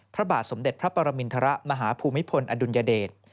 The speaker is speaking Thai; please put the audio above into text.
พระบาทสมเด็จพระปรมินทรมาฮภูมิพลอดุลยเดช